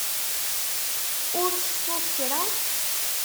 Ur tettuḍ kra?